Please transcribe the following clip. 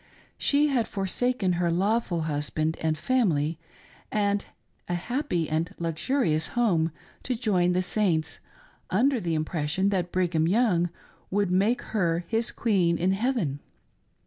She had forsaken her lawful husband and family and a happy aitd luxurious home to join the Saints, under the impression that Brigham Young would make her his queen in heaven.